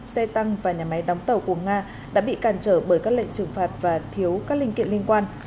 xe tăng và nhà máy đóng tàu của nga đã bị càn trở bởi các lệnh trừng phạt và thiếu các linh kiện liên quan